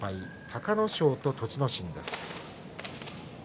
隆の勝と栃ノ心。